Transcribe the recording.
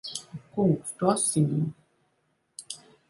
Ak kungs! Tu asiņo!